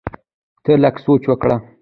ته لږ سوچ وکړه!